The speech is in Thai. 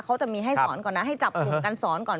เขาจะมีให้สอนก่อนนะให้จับกลุ่มการสอนก่อน